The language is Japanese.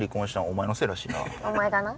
お前がな。